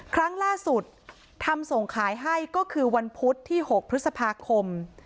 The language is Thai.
ครั้งล่าสุดทำส่งขายให้ก็คือวันพุธที่๖พฤษภาคม